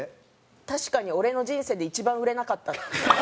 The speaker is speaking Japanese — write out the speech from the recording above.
「たしかに俺の人生で一番売れなかった」。